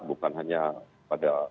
bukan hanya pada